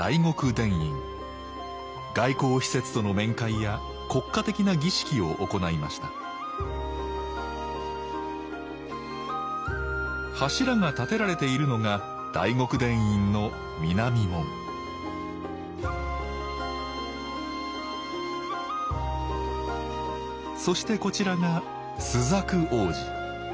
外交使節との面会や国家的な儀式を行いました柱が立てられているのが大極殿院の南門そしてこちらが朱雀大路。